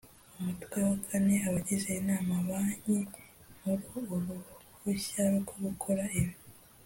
umutwe wa kane abagize inama banki nkuru uruhushya rwo gukora ibi